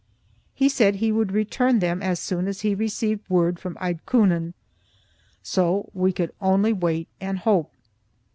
He said he would return them as soon as he received word from Eidtkunen. So we could only wait and hope.